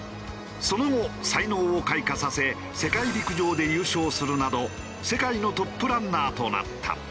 その後才能を開花させ世界陸上で優勝するなど世界のトップランナーとなった。